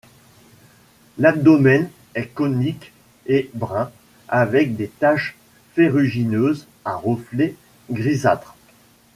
L'abdomen est conique et brun avec des taches ferrugineuses à reflets grisâtres.